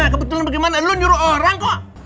kebetulan bagaimana lo nyuruh orang kok